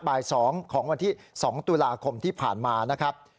บ่าย๒ของวันที่๒ตุลาคมที่ผ่านมานะครับ